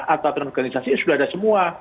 atau transorganisasi sudah ada semua